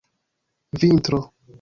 vintro